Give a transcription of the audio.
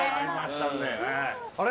あれ？